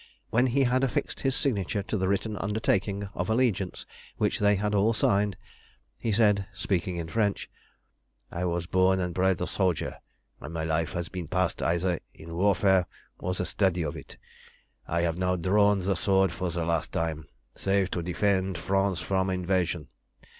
When he had affixed his signature to the written undertaking of allegiance which they had all signed, he said, speaking in French "I was born and bred a soldier, and my life has been passed either in warfare or the study of it. I have now drawn the sword for the last time, save to defend France from invasion.